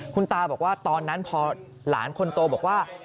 คุณตาบอกว่าตอนนั้นพอหลานคนโตบอกว่า